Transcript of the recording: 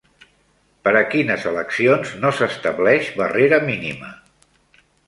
Per a quines eleccions no s'estableix barrera mínima?